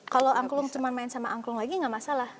kalau angklung cuma main sama angklung lagi nggak masalah